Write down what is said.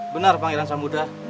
benar pangeran samudra